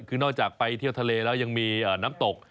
คือนอกจากไปเที่ยวทะเลแล้วยังมีน้ำตก